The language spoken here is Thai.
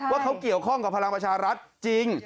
ว่าเขาเกี่ยวข้องกับพลังประชารัฐจริง